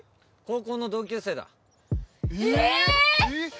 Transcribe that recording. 高校の同級生だええっ！？